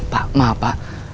pak maaf pak